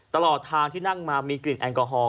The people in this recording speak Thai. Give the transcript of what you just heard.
ตลอดทางที่นั่งมามีกลิ่นแอลกอฮอล